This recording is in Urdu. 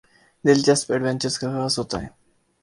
دلچسپ ایڈونچر کا آغاز ہوتا ہے